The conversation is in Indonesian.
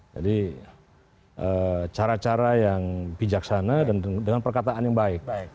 jadi cara cara yang bijaksana dengan perkataan yang baik